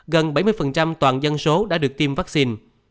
gần bảy mươi toàn dân số đã được tiêm vaccine